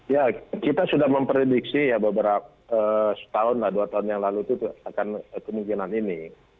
ya kita sudah memprediksi ya beberapa setahun lah dua tahun yang lalu itu akan kemungkinan ini